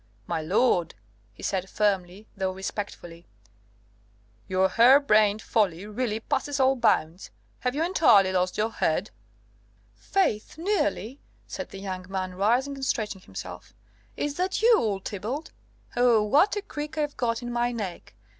"My lord," he said firmly though respectfully, "your hair brained folly really passes all bounds. Have you entirely lost your head?" "Faith, nearly," said the young man, rising and stretching himself. "Is that you, old Thibault? Ow, what a crick I've got in my neck!